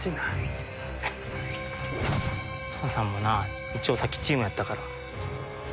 井戸田さんもな一応さっきチームやったから。